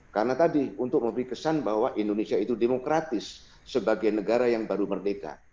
karena tadi untuk memberi kesan bahwa indonesia itu demokratis sebagai negara yang baru merdeka